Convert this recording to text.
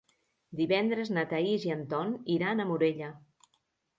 Divendres na Thaís i en Ton iran a Morella.